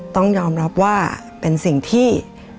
ต้องยอมรับว่าเป็นสิ่งที่